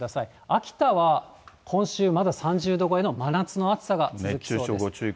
秋田は今週、まだ３０度超えの真夏の暑さが続きそうです。